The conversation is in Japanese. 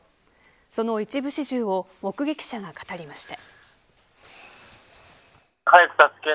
その一部始終を目撃者が語りました。